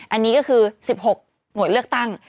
อันนี้ก็คือ๑๖หน่วยเลือกตั้ง